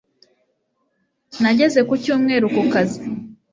Nagaze kucyumweru ku kazi